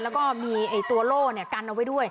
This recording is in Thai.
แล้วก็มีตัวโล่กันเอาไว้ด้วย